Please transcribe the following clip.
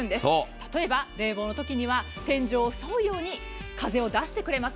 例えば冷房の時には天井を沿うように風を出してくれます。